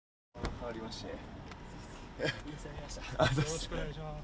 よろしくお願いします。